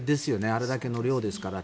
あれだけの量ですから。